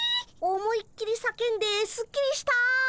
思いっきりさけんですっきりした。